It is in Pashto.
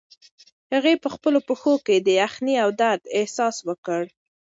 هغې په خپلو پښو کې د یخنۍ او درد احساس وکړ.